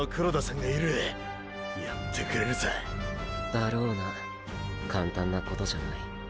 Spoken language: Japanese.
だろうな簡単なことじゃない。